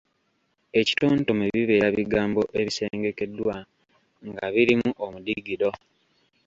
Ekitontome bibeera bigambo ebisengekeddwa nga birimu omudigido,